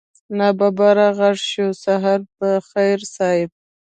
ناببره غږ شو سهار په خير صيب.